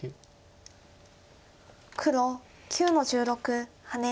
黒９の十六ハネ。